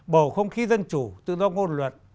bầu không khí dân chủ tự do ngôn luật